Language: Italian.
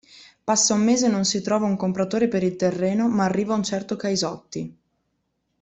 Passa un mese e non si trova un compratore per il terreno ma arriva un certo Caisotti.